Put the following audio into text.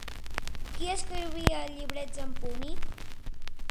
Qui escrivia llibrets en púnic?